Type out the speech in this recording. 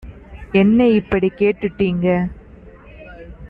என்ன இப்படிக் கேட்டுட்டீங்க